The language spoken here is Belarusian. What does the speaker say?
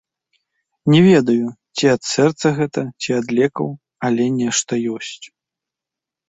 Не ведаю, ці ад сэрца гэта, ці ад лекаў, але нешта ёсць.